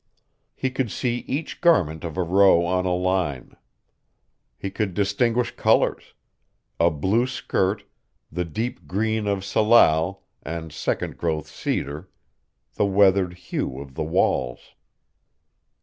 He could see each garment of a row on a line. He could distinguish colors a blue skirt, the deep green of salal and second growth cedar, the weathered hue of the walls.